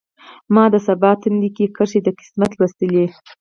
ما د سبا تندی کې کرښې د قسمت لوستلي